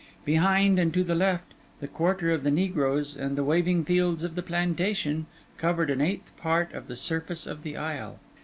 Behind and to the left, the quarter of the negroes and the waving fields of the plantation covered an eighth part of the surface of the isle.